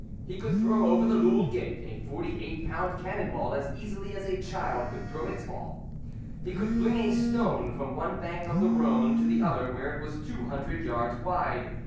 He could throw over the Loulle gate a 48 pound cannon ball as easily as a child could throw its ball. He could fling a stone from one bank of the Rhone to the other where it was two hundred yards wide.